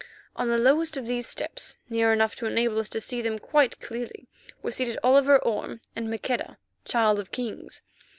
On the lowest of these steps, near enough to enable us to see them quite clearly, were seated Oliver Orme and Maqueda, Child of Kings.